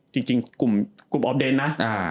จริงกลุ่มออฟเดนนะ